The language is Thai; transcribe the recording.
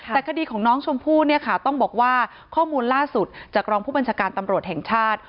แต่คดีของน้องชมพู่เนี่ยค่ะต้องบอกว่าข้อมูลล่าสุดจากรองผู้บัญชาการตำรวจแห่งชาติ